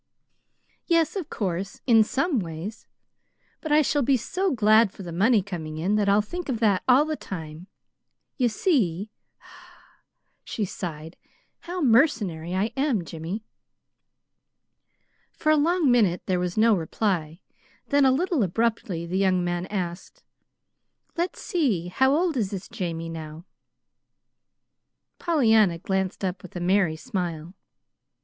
"Yes, of course, in some ways. But I shall be so glad for the money coming in that I'll think of that all the time. You see," she sighed, "how mercenary I am, Jimmy." For a long minute there was no reply; then, a little abruptly, the young man asked: "Let's see, how old is this Jamie now?" Pollyanna glanced up with a merry smile.